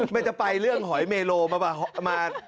มันจะไปเรื่องหอยเมโลมา